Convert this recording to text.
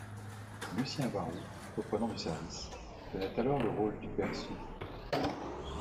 Lucien Baroux reprenant du service, tenait alors le rôle du père Soupe.